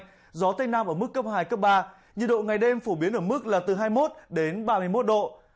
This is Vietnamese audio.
gió tây nam ở mức cấp hai cấp ba nhiệt độ ngày đêm phổ biến ở mức là từ hai mươi một đến ba mươi một độ